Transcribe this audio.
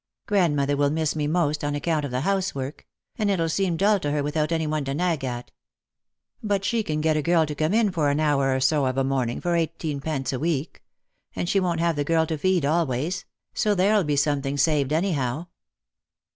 Grandmother will miss me most, on account of the housework ; and it'll seem dull to her without any one to nag at. But she can get a girl to come in for an hour or so of a morning for eighteenpence a week. And she won't have the girl to feed always ; so there'll be some thing saved anyhow."